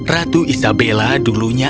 ratu isabella dulunya